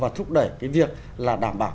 và thúc đẩy cái việc là đảm bảo